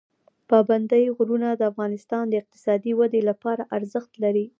پابندی غرونه د افغانستان د اقتصادي ودې لپاره ارزښت لري.